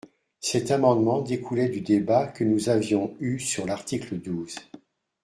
Cet amendement découlait du débat que nous avions eu sur l’article douze.